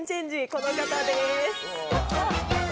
この方です。